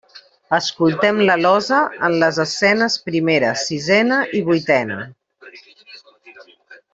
Escoltem l'alosa en les escenes primera, sisena i vuitena.